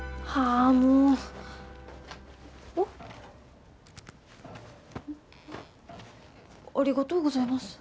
ありがとうございます。